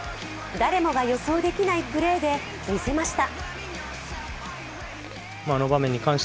誰もが予想できないプレーで見せました。